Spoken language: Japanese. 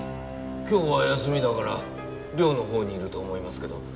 今日は休みだから寮の方にいると思いますけど。